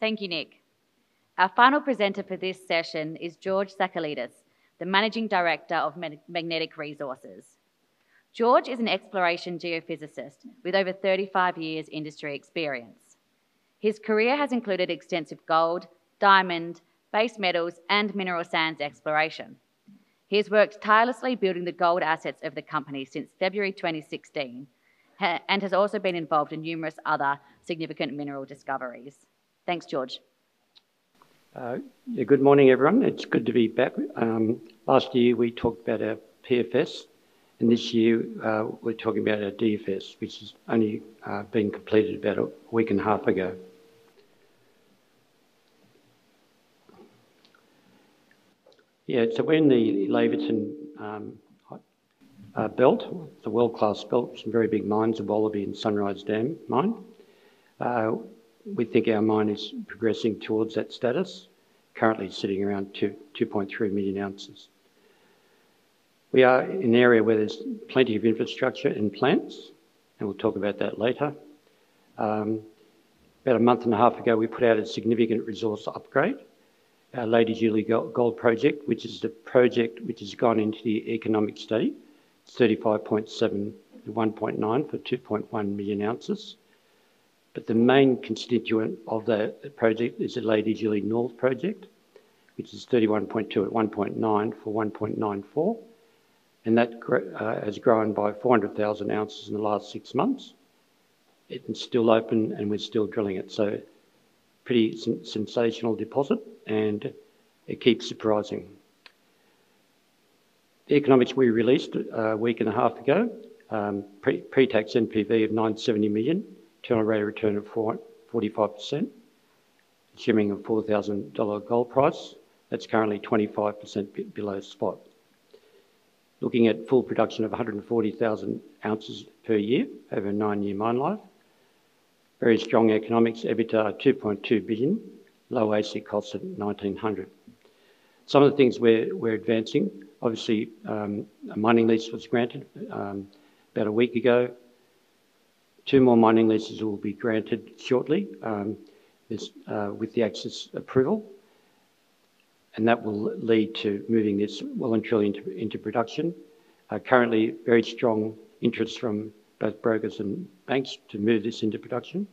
Thank you, Nick. Our final presenter for this session is George Sakalidis, the Managing Director of Magnetic Resources. George is an exploration geophysicist with over 35 years' industry experience. His career has included extensive gold, diamond, base metals, and mineral sands exploration. He has worked tirelessly building the gold assets of the company since February 2016 and has also been involved in numerous other significant mineral discoveries. Thanks, George. Good morning, everyone. It's good to be back. Last year, we talked about a PFS, and this year, we're talking about a DFS, which has only been completed about a week and a half ago. We're in the Laverton Belt, the world-class belt, some very big mines, the Wallaby and Sunrise Dam mine. We think our mine is progressing towards that status, currently sitting around 2.3 million oz. We are in an area where there's plenty of infrastructure and plants, and we'll talk about that later. About a month and a half ago, we put out a significant resource upgrade, our Lady Julie Gold Project, which is the project which has gone into the economic study, 35.7 million tons at 1.9 grams per ton for 2.1 million oz. The main constituent of the project is the Lady Julie North Project, which is 31.2 million tons at 1.9 grams per ton for 1.94 million oz, and that has grown by 400,000 oz in the last six months. It's still open, and we're still drilling it. Pretty sensational deposit, and it keeps surprising. The economics we released a week and a half ago, pretax NPV of $970 million, internal rate of return of 45%, consuming a $4,000 gold price that's currently 25% below spot. Looking at full production of 140,000 oz per year over a nine-year mine life, very strong economics, EBITDA $2.2 billion, low AIS` cost at $1,900. Some of the things we're advancing, obviously, a mining lease was granted about a week ago. Two more mining leases will be granted shortly with the access approval, and that will lead to moving this voluntarily into production. Currently, very strong interest from both brokers and banks to move this into production,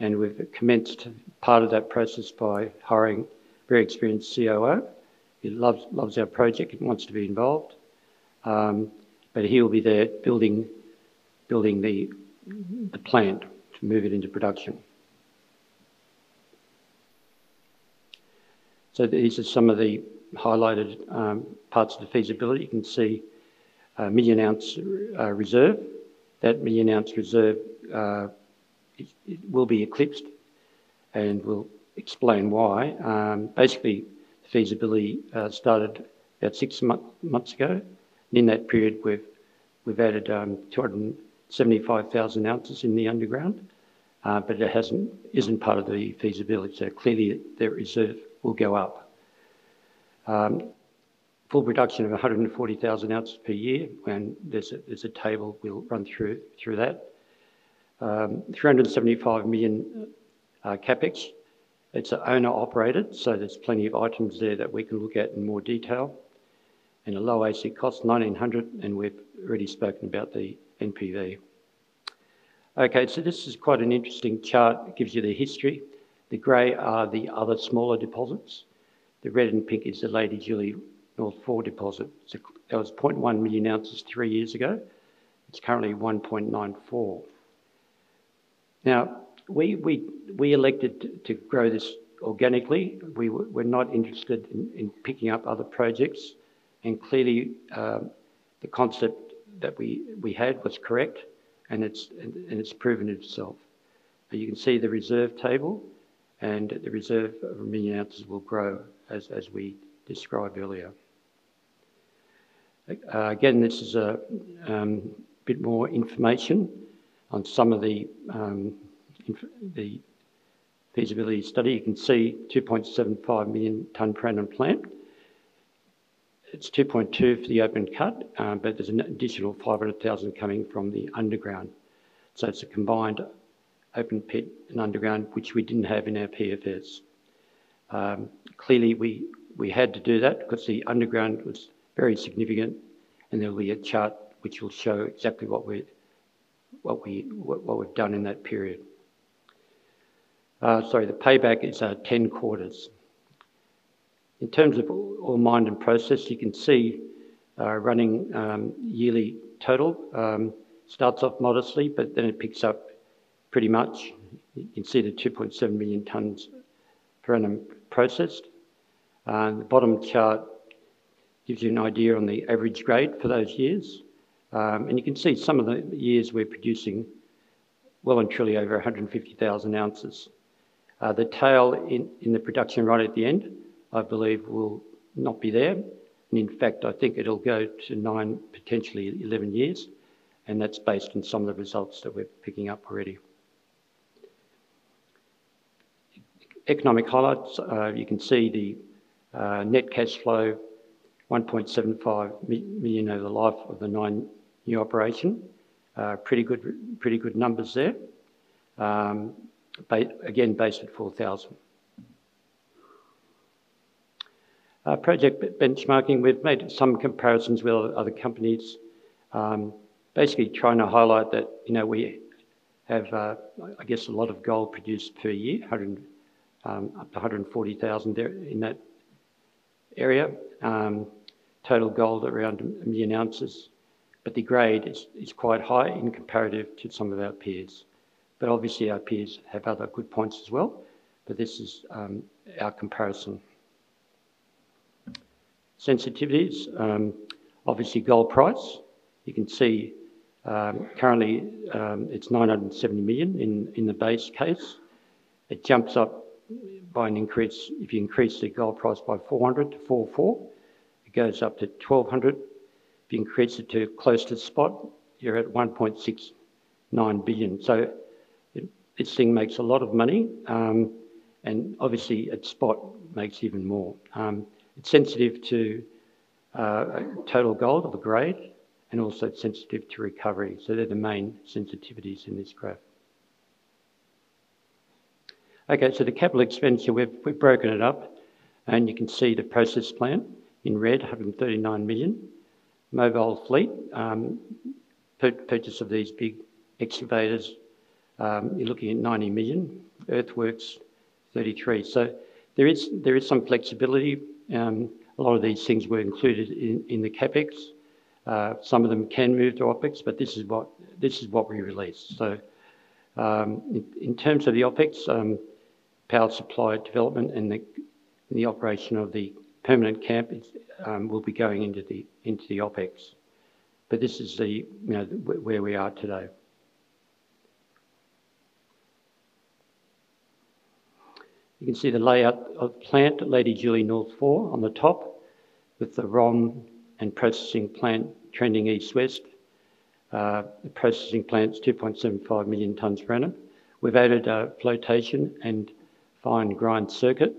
and we've commenced part of that process by hiring a very experienced COO. He loves our project and wants to be involved, and he will be there building the plant to move it into production. These are some of the highlighted parts of the feasibility. You can see a million-ounce reserve. That million-ounce reserve will be eclipsed, and we'll explain why. Basically, feasibility started about six months ago, and in that period, we've added 275,000 oz in the underground, but it isn't part of the feasibility, so clearly, the reserve will go up. Full production of 140,000 oz per year, and there's a table we'll run through that. $375 million CapEx. It's owner-operated, so there's plenty of items there that we can look at in more detail. A low AIS cost, $1,900, and we've already spoken about the NPV. This is quite an interesting chart. It gives you the history. The grey are the other smaller deposits. The red and pink is the Lady Julie North 4 deposit. That was 0.1 million oz three years ago. It's currently 1.94 million oz. Now, we elected to grow this organically. We're not interested in picking up other projects, and clearly, the concept that we had was correct, and it's proven itself. You can see th e reserve table, and the reserve of a million oz will grow, as we described earlier. Again, this is a bit more information on some of the feasibility study. You can see 2.75 million ton per annum plant. It's 2.2 million ton per annum for the open cut, but there's an additional 500,000 million ton per annum coming from the underground. It's a combined open pit and underground, which we didn't have in our PFS. Clearly, we had to do that because the underground was very significant, and there'll be a chart which will show exactly what we've done in that period. The payback is our 10 quarters. In terms of all mined and processed, you can see our running yearly total starts off modestly, but then it picks up pretty much. You can see the 2.7 million tons per annum processed. The bottom chart gives you an idea on the average grade for those years, and you can see some of the years we're producing well and truly over 150,000 oz. The tail in the production right at the end, I believe, will not be there, and in fact, I think it'll go to 9, potentially 11 years, and that's based on some of the results that we're picking up already. Economic highlights, you can see the net cash flow, $1.75 million over the life of the nine-year operation. Pretty good numbers there, but again, based at $4,000. Project benchmarking, we've made some comparisons with other companies. Basically, trying to highlight that, you know, we have, I guess, a lot of gold produced per year, up to 140,000 there in that area. Total gold around a million oz, but the grade is quite high in comparative to some of our peers. Obviously, our peers have other good points as well, but this is our comparison. Sensitivities, obviously, gold price. You can see currently it's $970 million in the base case. It jumps up by an increase if you increase the gold price by $400 to $4,400. It goes up to $1,200. If you increase it to close to the spot, you're at $1.69 billion. This thing makes a lot of money, and obviously, at spot, makes even more. It's sensitive to total gold or the grade, and also sensitive to recovery. They're the main sensitivities in this graph. Okay, so the capital expenditure, we've broken it up, and you can see the processing plant in red, $139 million. Mobile fleet, purchase of these big excavators, you're looking at $90 million. earth works, $33 million. There is some flexibility. A lot of these things were included in the CapEx. Some of them can move to OpEx, but this is what we released. In terms of the OpEx, power supply development and the operation of the permanent camp will be going into the OpEx, but this is where we are today. You can see the layout of plant at Lady Julie North 4 deposit on the top with the ROM and processing plant trending east-west. The processing plant's 2.75 million tons per annum. We've added a flotation and fine grind circuit.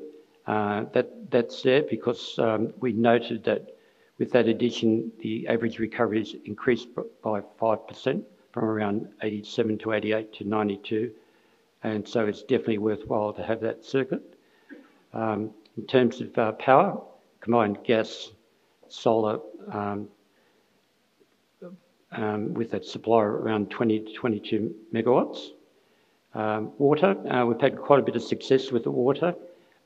That's there because we noted that with that addition, the average recovery has increased by 5% from around 87% to 88% to 92%, and it's definitely worthwhile to have that circuit. In terms of power, combined gas, solar with that supply around 20 MW-22 MW. Water, we've had quite a bit of success with the water,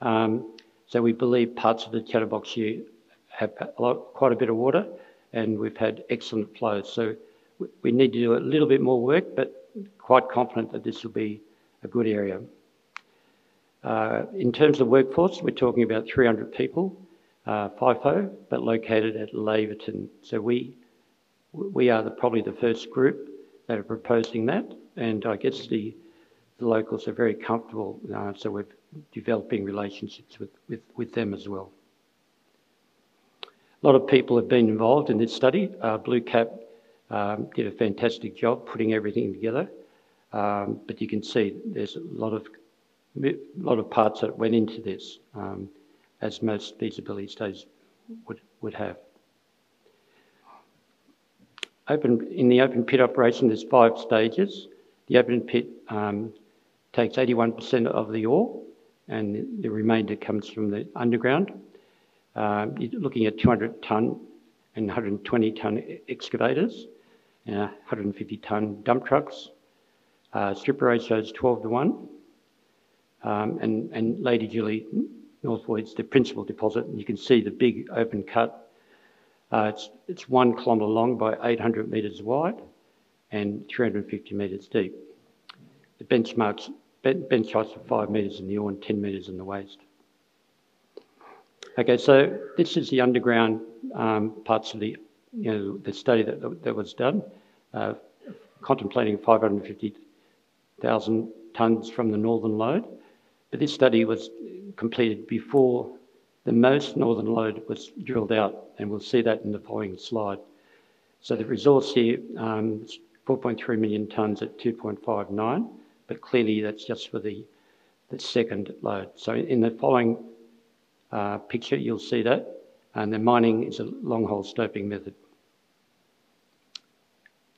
so we believe parts of the Tetaboxia have quite a bit of water, and we've had excellent flow. We need to do a little bit more work, but quite confident that this will be a good area. In terms of workforce, we're talking about 300 people, FIFO, but located at Laverton. We are probably the first group that are proposing that, and I guess the locals are very comfortable. We're developing relationships with them as well. A lot of people have been involved in this study. Blue Cap did a fantastic job putting everything together, but you can see there's a lot of parts that went into this as most feasibility studies would have. In the open pit operation, there's five stages. The open pit takes 81% of the ore, and the remainder comes from the underground. You're looking at 200-ton and 120-ton excavators and 150-ton dump trucks. Strip ratio is 12 to 1.Lady Julie North 4 is the principal deposit, and you can see the big open cut. It's 1 km long by 800 m wide and 350 m deep. The bench heights are 5 m in the ore and 10 m in the waste. This is the underground parts of the study that was done, contemplating 550,000 tons from the northern lode, but this study was completed before the most northern lode was drilled out, and we'll see that in the following slide. The resource here, 4.3 million tons at 2.59 grams per ton, but clearly, that's just for the second lode. In the following picture, you'll see that the mining is a long-haul sloping method.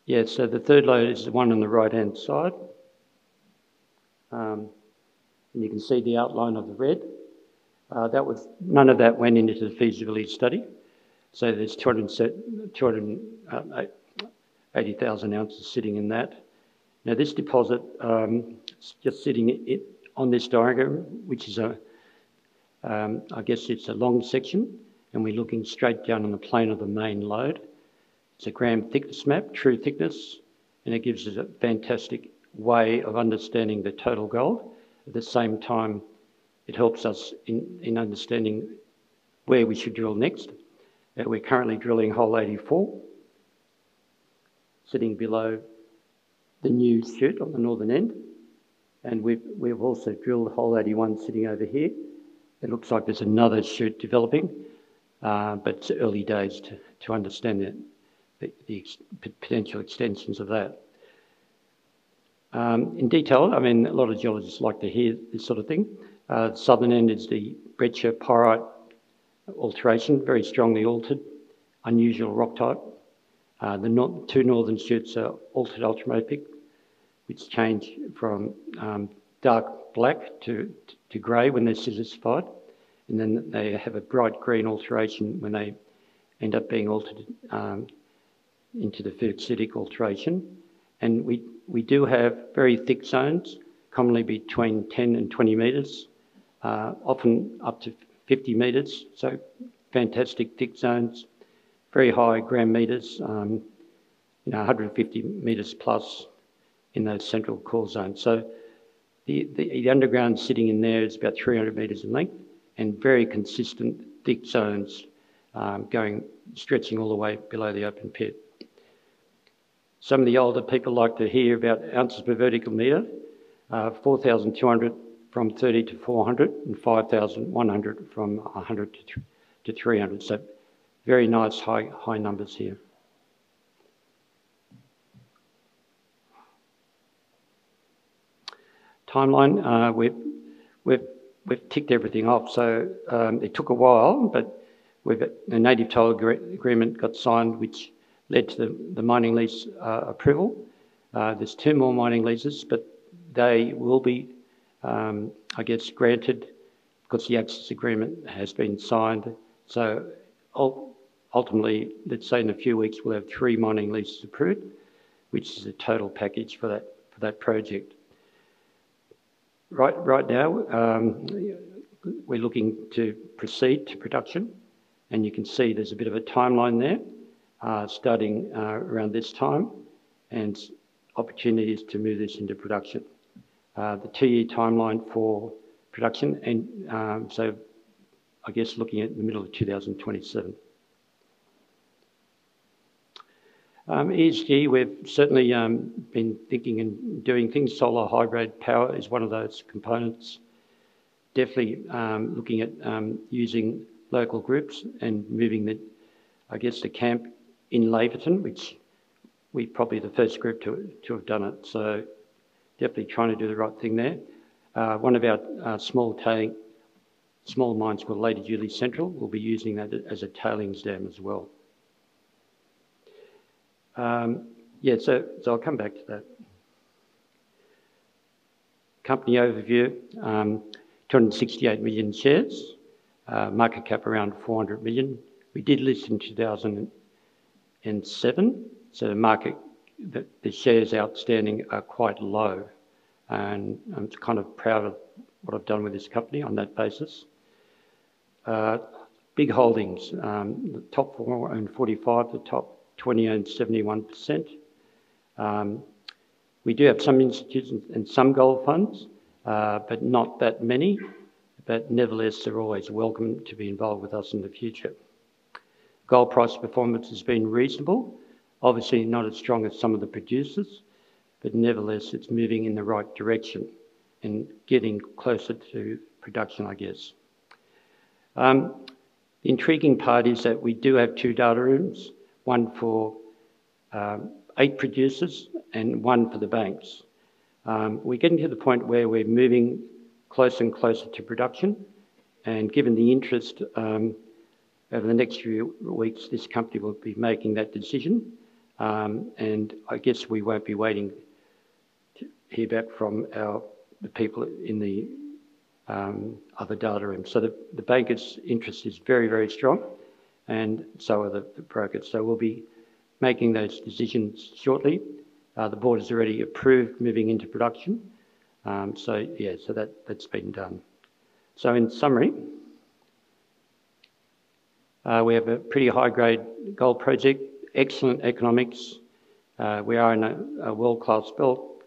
The third load is the one on the right-hand side, and you can see the outline of the red. None of that went into the feasibility study, so there's 280,000 oz sitting in that. This deposit is just sitting on this diagram, which is a, I guess, it's a long section, and we're looking straight down on the plane of the main load. It's a ground thickness map, true thickness, and it gives us a fantastic way of understanding the total gold. At the same time, it helps us in understanding where we should drill next. We're currently drilling hole 84, sitting below the new chute on the northern end, and we've also drilled hole 81 sitting over here. It looks like there's another chute developing, but it's early days to understand the potential extensions of that. In detail, a lot of geologists like to hear this sort of thing. The southern end is the breadsharp pyrite alteration, very strongly altered, unusual rock type. The two northern chutes are altered ultramafic, which change from dark black to gray when they're silicified, and then they have a bright green alteration when they end up being altered into the ferro-silicic alteration. We do have very thick zones, commonly between 10 m and 20 m, often up to 50 m. Fantastic thick zones, very high ground meters, 150+ m in those central core zones. The underground sitting in there is about 300 m in length and very consistent thick zones stretching all the way below the open pit. Some of the older people like to hear about ounces per vertical meter, 4,200 oz/m from 30 m to 400 m and 5,100 oz/m from 100 m to 300 m. Very nice high numbers here. Timeline, we've ticked everything off. It took a while, but we've got a native title agreement signed, which led to the mining lease approval. There are two more mining leases, but they will be granted because the access agreement has been signed. Ultimately, let's say in a few weeks, we'll have three mining leases approved, which is a total package for that project. Right now, we're looking to proceed to production, and you can see there's a bit of a timeline there starting around this time and opportunities to move this into production. The TE timeline for production, looking at the middle of 2027. ESG, we've certainly been thinking and doing things. Solar hybrid power is one of those components. Definitely looking at using local groups and moving the, I guess, the camp in Laverton, which we're probably the first group to have done it. Definitely trying to do the right thing there. One of our small mines called Lady Julie Central will be using that as a tailings dam as well. I'll come back to that. Company overview, 268 million shares, market cap around $400 million. We did list in 2007, so the market that the shares outstanding are quite low, and I'm kind of proud of what I've done with this company on that basis. Big holdings, the top one owned 45%, the top 20 owned 71%. We do have some institutions and some gold funds, but not that many. Nevertheless, they're always welcome to be involved with us in the future. Gold price performance has been reasonable, obviously not as strong as some of the producers, nevertheless, it's moving in the right direction and getting closer to production, I guess. The intriguing part is that we do have two data rooms, one for eight producers and one for the banks. We're getting to the point where we're moving closer and closer to production, and given the interest, over the next few weeks, this company will be making that decision, and I guess we won't be waiting to hear back from the people in the other data rooms. The bankers' interest is very, very strong, and so are the brokers. We'll be making those decisions shortly. The board has already approved moving into production. That's been done. In summary, we have a pretty high-grade gold project, excellent economics. We are in a world-class build.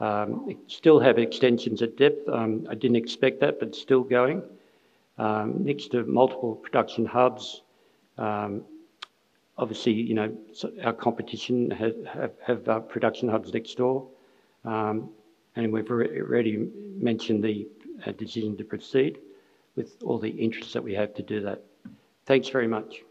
We still have extensions at depth. I didn't expect that, but still going. Next to multiple production hubs, obviously, you know, our competition have production hubs next door, and we've already mentioned the decision to proceed with all the interest that we have to do that. Thanks very much.